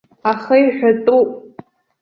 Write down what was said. Аха иҳәатәуп.